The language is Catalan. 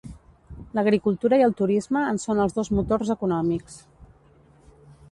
L'agricultura i el turisme en són els dos motors econòmics.